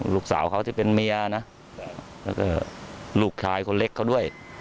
ลูกสาวเขาที่เป็นเมียนะแล้วก็ลูกชายคนเล็กเขาด้วย